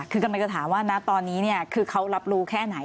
คือกำลังจะถามว่านะตอนนี้คือเขารับรู้แค่ไหน